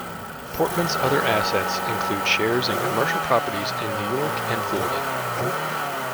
Portman's other assets include shares in commercial properties in New York and Florida.